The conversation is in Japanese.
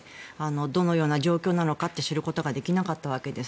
どのような状況なのかと知ることができなかったわけです。